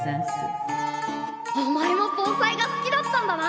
お前も盆栽が好きだったんだな！